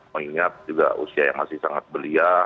mengingat juga usia yang masih sangat belia